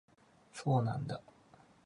そうなんだ